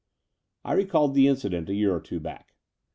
'' I recalled the incident a year or two back.